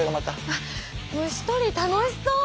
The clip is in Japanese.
あっ虫とり楽しそう！